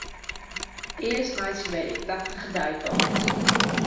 Earst meitsje wy in prachtige deitocht.